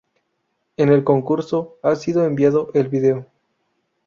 En el concurso ha sido enviado el vídeo.